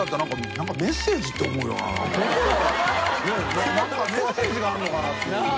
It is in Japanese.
何かメッセージがあるのかな？っていう。なぁ！